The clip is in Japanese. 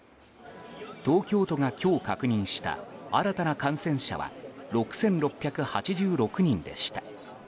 東京都が今日確認した新たな感染者は６６８６人でした。